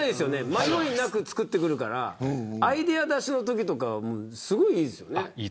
迷いなく作ってくれるからアイデア出しのときとかすごくいいですよね。